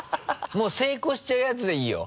もう成功しちゃうやつでいいよ。